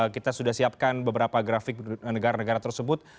kita sudah siapkan beberapa grafik negara negara tersebut